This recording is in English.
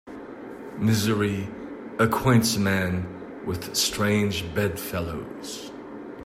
Misery acquaints a man with strange bedfellows